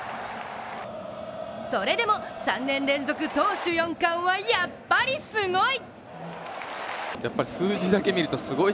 それでも３年連続投手４冠はやっぱりすごい。